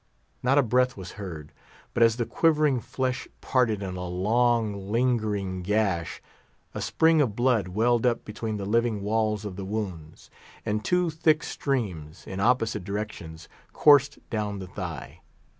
Not a breath was heard; but as the quivering flesh parted in a long, lingering gash, a spring of blood welled up between the living walls of the wounds, and two thick streams, in opposite directions, coursed down the thigh.